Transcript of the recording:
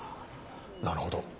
なるほど。